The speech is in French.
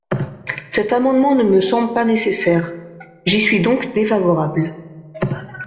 Cet amendement ne me semble pas nécessaire : j’y suis donc défavorable.